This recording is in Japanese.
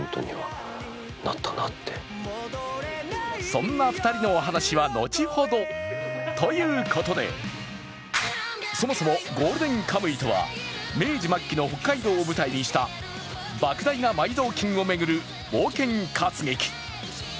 そんな２人のお話は後ほど。ということでそもそも「ゴールデンカムイ」とは明治末期の北海道を舞台とした莫大な埋蔵金を巡る冒険活劇。